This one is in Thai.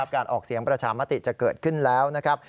การออกเสียงประชามติจะเกิดขึ้นแล้วนะครับ